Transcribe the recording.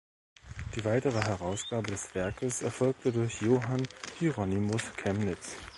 Die weitere Herausgabe des Werkes erfolgte durch Johann Hieronymus Chemnitz.